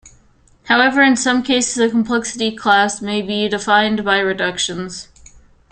However, in some cases a complexity class may be defined by reductions.